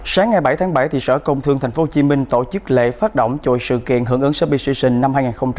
sáng bảy bảy sở công thương tp hcm tổ chức lễ phát động chội sự kiện hưởng ứng subdivision năm hai nghìn hai mươi ba